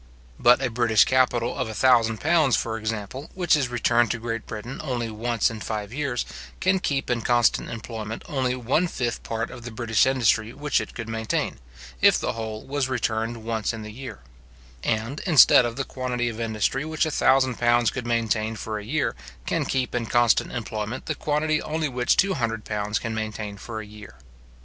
But a British capital of a thousand pounds, for example, which is returned to Great Britain only once in five years, can keep in constant employment only one fifth part of the British industry which it could maintain, if the whole was returned once in the year; and, instead of the quantity of industry which a thousand pounds could maintain for a year, can keep in constant employment the quantity only which two hundred pounds can maintain for a year.